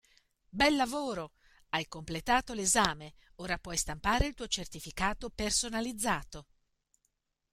Bel lavoro! Hai completato l‘esame, ora puoi stampare il tuo certificato personalizzato.